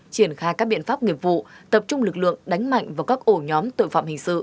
triển khai các biện pháp nghiệp vụ tập trung lực lượng đánh mạnh vào các ổ nhóm tội phạm hình sự